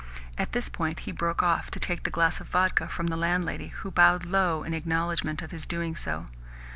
At this point he broke off to take the glass of vodka from the landlady, who bowed low in acknowledgement of his doing so.